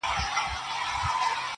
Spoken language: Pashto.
پر ګودر دي مېلمنې د بلا سترګي-